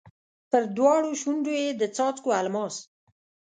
پر دواړو شونډو یې د څاڅکو الماس